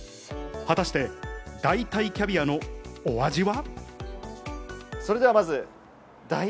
果たして代替キャビアのお味は？